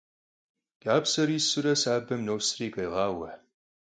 КӀапсэр исурэ сабэм носри, къегъауэ.